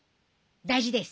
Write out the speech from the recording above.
大事です。